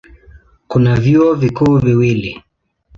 Kuna vyuo vikuu viwili.